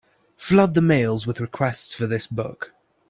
Flood the mails with requests for this book.